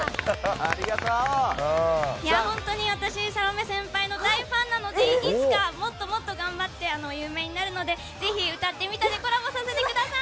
私サロメ先輩の大ファンなのでもっと頑張って有名になるのでぜひ歌ってみたでコラボしてください。